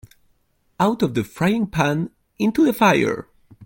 Out of the frying-pan into the fire.